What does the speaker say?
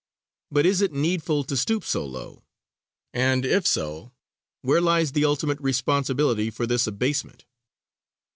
But is it needful to stoop so low, and if so, where lies the ultimate responsibility for this abasement?